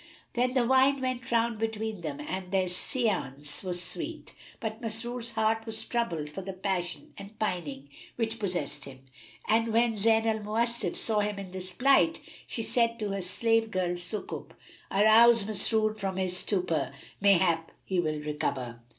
Then the wine went round between them and their séance was sweet: but Masrur's heart was troubled for the passion and pining which possessed him; and when Zayn al Mawasif saw him in this plight, she said to her slave girl Sukub, "Arouse Masrur from his stupor; mayhap he will recover."